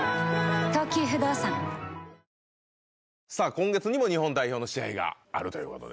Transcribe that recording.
今月にも日本代表の試合があるということで。